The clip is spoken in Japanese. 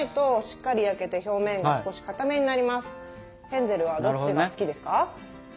ヘンゼルはどっちが好きですか？